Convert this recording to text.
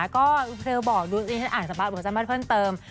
ก็เธอบอกดูอ่านสมบัติผมสำหรับเพื่อนเติม